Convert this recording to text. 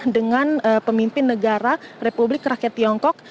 dengan pemimpin negara republik rakyat tiongkok